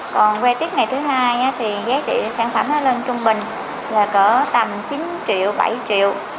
còn về tiếp ngày thứ hai thì giá trị sản phẩm nó lên trung bình là cỡ tầm chín triệu bảy triệu